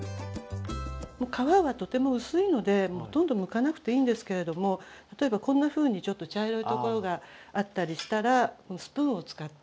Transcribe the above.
皮はとても薄いのでほとんどむかなくていいんですけれども例えばこんなふうにちょっと茶色いところがあったりしたらスプーンを使って。